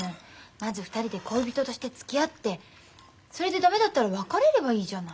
まず２人で恋人としてつきあってそれで駄目だったら別れればいいじゃない。